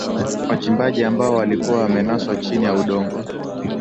wachimbaji ambao walikuwa wamenaswa chini ya udongo